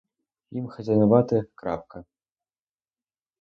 Їм хазяйнувати — крапка!